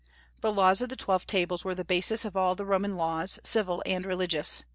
The laws of the Twelve Tables were the basis of all the Roman laws, civil and religious.